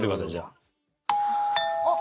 あっ！